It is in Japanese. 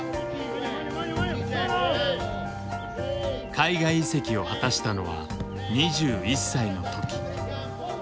海外移籍を果たしたのは２１歳の時。